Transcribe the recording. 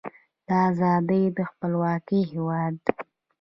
د ازادۍ او خپلواکۍ هیواد.